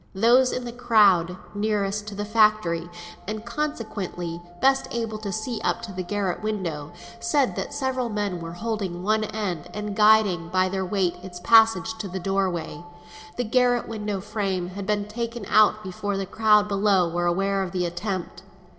Those in the crowd nearest the factory, and consequently best able to see up to the garret window, said that several men were holding one end, and guiding by their weight its passage to the door way. The garret window frame had been taken out before the crowd below were aware of the attempt.